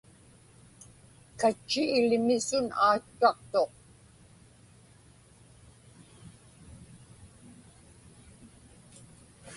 Katchi ilimisun aatchaqtuq.